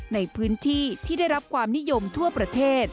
ในพื้นที่ที่ได้รับความนิยมทั่วประเทศ